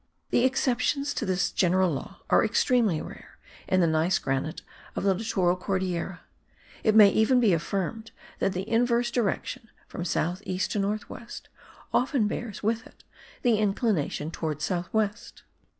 The exceptions to this general law are extremely rare in the gneiss granite of the littoral Cordillera; it may even be affirmed that the inverse direction (from south east to north west) often bears with it the inclination towards south west.